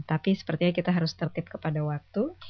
tapi sepertinya kita harus tertip kepada waktu